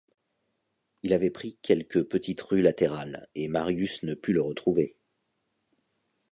Il avait pris quelque petite rue latérale, et Marius ne put le retrouver.